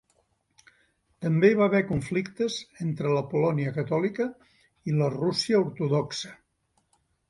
També hi va haver conflictes entre la Polònia catòlica i la Rússia ortodoxa.